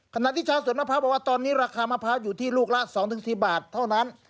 ขณะที่ชาวสวนมะพร้าวบอกว่าตอนนี้ราคามะพร้าวอยู่ที่ลูกละ๒๔บาทเท่านั้น